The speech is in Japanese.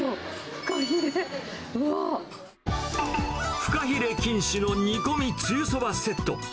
フカヒレ金糸の煮込みつゆそばセット。